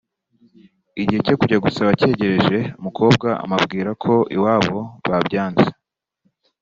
igihe cyo kujya gusaba cyegereje umukobwa amabwira ko iwabo babyanze